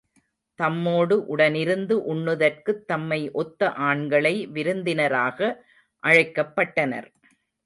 தம்மோடு உடனிருந்து உண்ணுதற்குத் தம்மை ஒத்த ஆண்களை விருந்தினராக அழைக்கப்பட்டனர்.